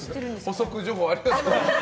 補足情報ありがとうございます。